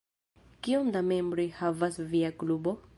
Kiom da membroj havas via klubo?